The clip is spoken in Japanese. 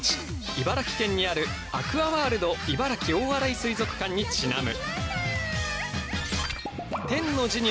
茨城県にあるアクアワールド茨城大洗水族館に因む。